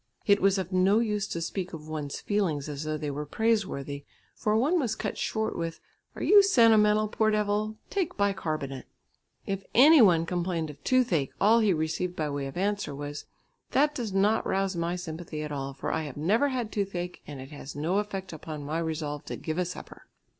It was of no use to speak of one's feelings as though they were praise worthy, for one was cut short with "Are you sentimental, poor devil? Take bi carbonate." If any one complained of toothache, all he received by way of answer was, "That does not rouse my sympathy at all, for I have never had toothache, and it has no effect upon my resolve to give a supper."